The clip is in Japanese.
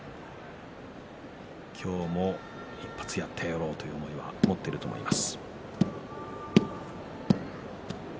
今日も１発やってやろうという思いは持っていると思います。